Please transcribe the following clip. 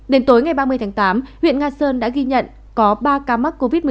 đến tối ngày ba mươi tháng tám huyện nga sơn đã ghi nhận có ba ca mắc covid một mươi chín